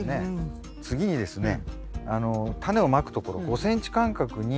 次にですねタネをまくところ５ｃｍ間隔に。